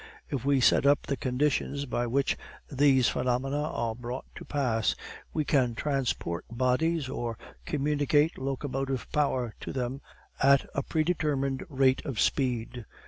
If we set up the conditions by which these phenomena are brought to pass, we can transport bodies or communicate locomotive power to them at a predetermined rate of speed.